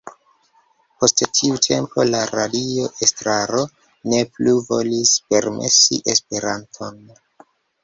Post tiu tempo la radio-estraro ne plu volis permesi Esperanton.